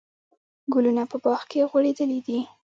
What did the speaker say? ګلونه په باغ کې غوړېدلي دي.